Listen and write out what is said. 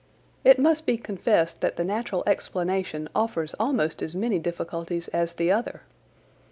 It must be confessed that the natural explanation offers almost as many difficulties as the other.